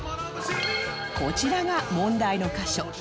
こちらが問題の箇所